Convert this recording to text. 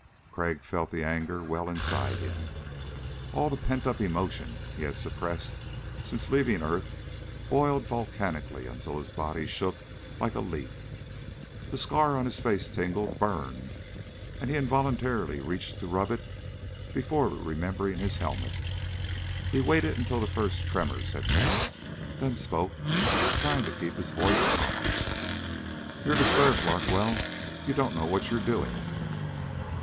Crag felt the anger well inside him. All the pent up emotion he had suppressed since leaving earth boiled volcanically until his body shook like a leaf. The scar on his face tingled, burned, and he involuntarily reached to rub it before remembering his helmet. He waited until the first tremors had passed, then spoke, trying to keep his voice calm. "You're disturbed, Larkwell. You don't know what you're doing."